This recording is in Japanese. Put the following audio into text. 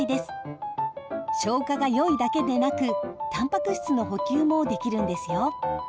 消化がよいだけでなくたんぱく質の補給もできるんですよ。